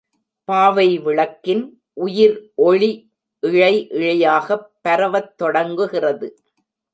பாவை விளக்கின் உயிர் ஒளி இழை இழையாகப் பரவத் தொடங்குகிறது.